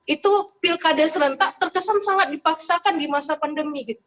itu pilkada serentak terkesan sangat dipaksakan di masa pandemi